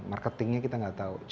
marketingnya kita gak tahu